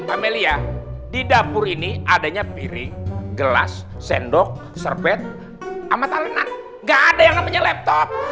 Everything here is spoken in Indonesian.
amelia di dapur ini adanya piring gelas sendok serpet sama talenan gak ada yang namanya laptop